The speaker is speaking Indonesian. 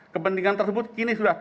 kepentingan tersebut kini sudah